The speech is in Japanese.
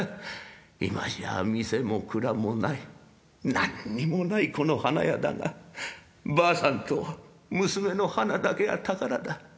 今じゃ店も蔵もない何にもないこの花屋だがばあさんと娘の花だけが宝だ。